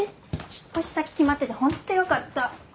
引っ越し先決まっててホントよかった。